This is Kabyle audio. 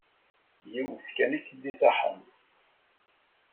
Yiwet kan i k-id-iṣaḥen.